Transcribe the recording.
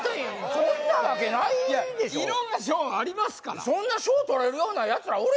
そんなわけないでしょ色んな賞ありますからそんな賞とれるようなやつらおれ